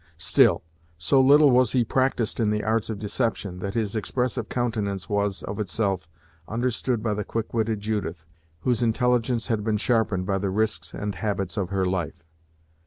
Still, so little was he practised in the arts of deception, that his expressive countenance was, of itself, understood by the quick witted Judith, whose intelligence had been sharpened by the risks and habits of her life.